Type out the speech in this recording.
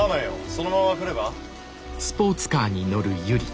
そのまま来れば？